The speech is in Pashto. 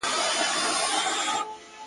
o د دوو روپو سپى و، د لسو روپو ځنځير ئې يووی!